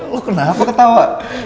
lo kenapa ketawa